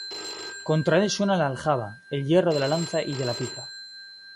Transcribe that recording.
Contra él suena la aljaba, El hierro de la lanza y de la pica: